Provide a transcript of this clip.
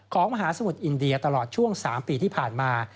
มหาสมุทรอินเดียตลอดช่วง๓ปีที่ผ่านมา